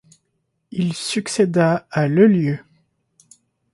Il succéda à Leuillieux.